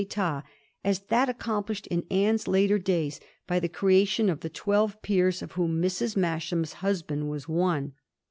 etat as that accomplished in Anne's later days by the creation of the twelve Peers, of whom Mrs. Masham's husband was one.